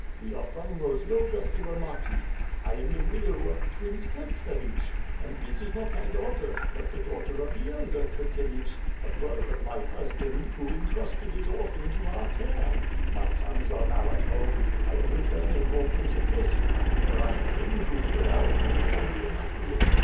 We are from Rozloga Siromakhi. 1 am the widow of Prince Kurtsevich, and this is not my daughter, but the daughter of the elder Kurtsevich, a brother of my husband, who entrusted his orphan to our care. My sons are now at home. I am returning home from Circassia, where I have been to make a vow to the Holy Immaculate.